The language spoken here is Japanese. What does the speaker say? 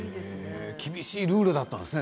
厳しいルールだったんですね